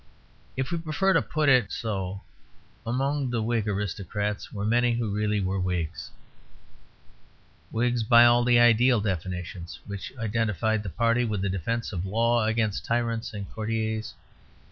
If we prefer to put it so, among the Whig aristocrats were many who really were Whigs; Whigs by all the ideal definitions which identified the party with a defence of law against tyrants and courtiers.